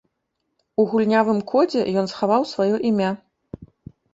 У гульнявым кодзе ён схаваў сваё імя.